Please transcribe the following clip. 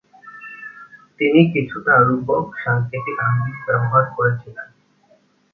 তিনি কিছুটা রূপক-সাংকেতিক আঙ্গিক ব্যবহার করেছিলেন।